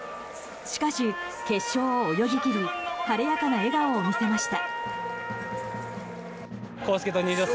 しかし、決勝を泳ぎ切り晴れやかな笑顔を見せました。